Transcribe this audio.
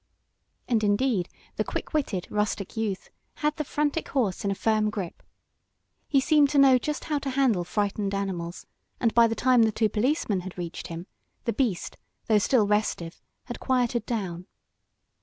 And indeed the quick witted, rustic youth had the frantic horse in a firm grip. He seemed to know just how to handle frightened animals, and by the time the two policemen had reached him, the beast, though still restive, had quieted down.